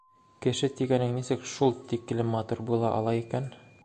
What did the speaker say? Кеше тигәнең нисек шул тиклем матур була ала икән?!